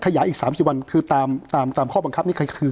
ขยายอีกสามสิบวันคือตามตามตามข้อบังคับนี้คือ